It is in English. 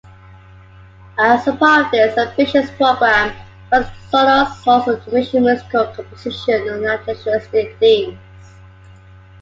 As part of this ambitious programme, Vasconcelos also commissioned musical compositions on nationalistic themes.